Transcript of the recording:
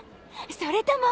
それとも。